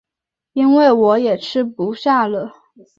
因为我也吃不下了